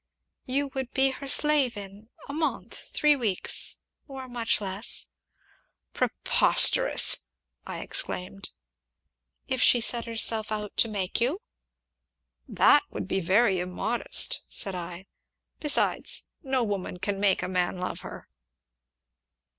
"You would be her slave in a month three weeks or much less " "Preposterous!" I exclaimed. "If she set herself to make you!" "That would be very immodest!" said I; "besides, no woman can make a man love her."